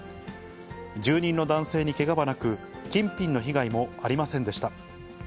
住人の男性にけがはなく、金品の被害もありませんでした。